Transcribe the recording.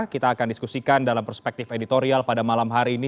kita akan diskusikan dalam perspektif editorial pada malam hari ini